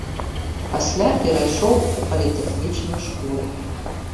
Пасля перайшоў у політэхнічную школу.